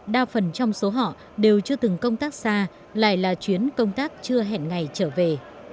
đa phần trong số họ đều chưa từng công tác xa lại là chuyến công tác chưa hẹn ngày trở về